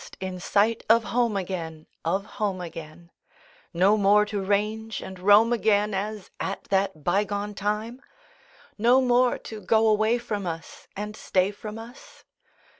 In sight of home again, Of home again; No more to range and roam again As at that bygone time? No more to go away from us And stay from us?